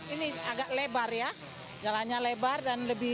ini agak lebar ya jalannya lebar dan lebih